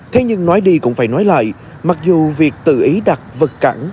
thế nhưng nói đi cũng phải nói lại mặc dù việc tự ý đặt vật cản